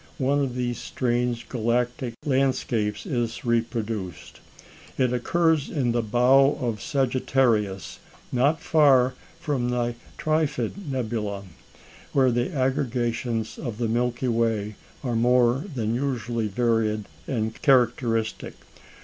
one of these strange galactic landscapes is reproduced. It occurs in the Bow of Sagittarius, not far from the Trifid nebula, where the aggregations of the Milky Way are more than usually varied and characteristic.